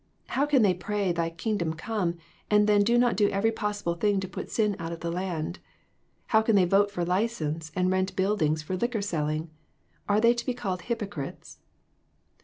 How can they pray 'Thy kingdom come,' and then not do every possible thing to put sin out of the land? How can they vote for license, and rent buildings for liquor selling? Are they to be called hypocrites